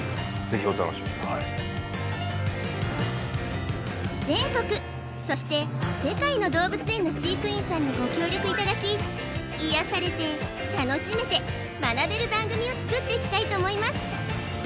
ぜひお楽しみに全国そして世界の動物園の飼育員さんにご協力いただき癒やされて楽しめて学べる番組をつくっていきたいと思います